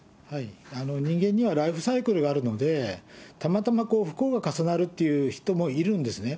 人間にはライフサイクルがあるので、たまたま不幸が重なるという人もいるんですね。